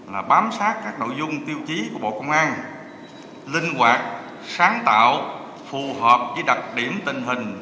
là bám sát các nội dung tiêu chí của bộ công an linh hoạt sáng tạo phù hợp với đặc điểm tình hình